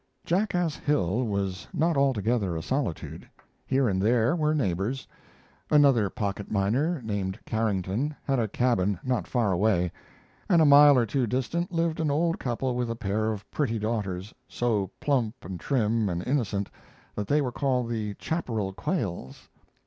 Jackass Hill was not altogether a solitude; here and there were neighbors. Another pocket miner; named Carrington, had a cabin not far away, and a mile or two distant lived an old couple with a pair of pretty daughters, so plump and trim and innocent, that they were called the "Chapparal Quails."